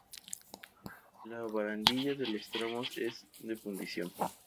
La barandilla de los tramos es de fundición.